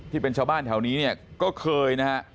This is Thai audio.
ที่เป็นชาวบ้านแถวนี้เนี่ยก็เคยนะฮะ